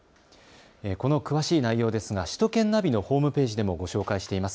この詳しい内容ですが首都圏ナビのホームページでもご紹介しています。